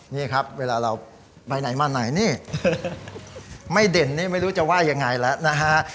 นี่ครับเวลาเราไปไหนมาไหนนี่ไม่เด่นนี่ไม่รู้จะว่ายังไงแล้วนะฮะ